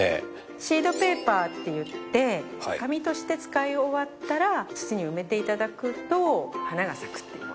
シードペーパーっていって紙として使い終わったら土に埋めていただくと花が咲くっていうものです。